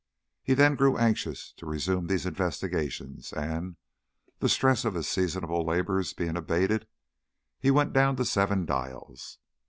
He then grew anxious to resume these investigations, and, the stress of his seasonal labours being abated, he went down to Seven Dials.